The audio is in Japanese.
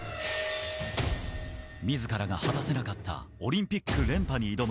自らが果たせなかったオリンピック連覇に挑む